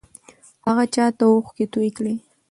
هغه چا ته اوښکې توې کړې؟